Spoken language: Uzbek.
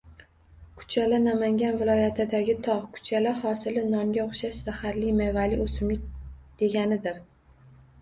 Kuchala - Namangan viloyatidagi tog‘. Kuchala - hosili nonga o‘xshash zaharli mevali o‘simlik deganidir.